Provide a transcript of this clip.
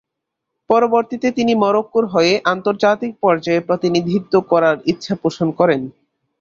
পরবর্তীতে তিনি মরক্কোর হয়ে আন্তর্জাতিক পর্যায়ে প্রতিনিধিত্ব করার ইচ্ছা পোষণ করেন।